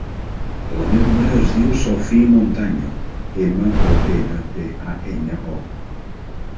La meva mare es diu Sophie Montaño: ema, o, ena, te, a, enya, o.